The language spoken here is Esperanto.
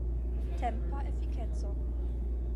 Tempa efikeco.